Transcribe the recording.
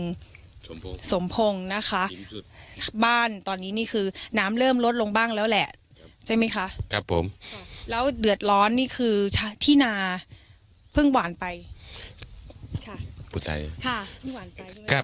สมพงศ์สมพงศ์นะคะบ้านตอนนี้นี่คือน้ำเริ่มลดลงบ้างแล้วแหละใช่มั้ยค่ะครับผมแล้วเดือดร้อนนี่คือที่นาเพิ่งหวานไปค่ะผู้ใจค่ะ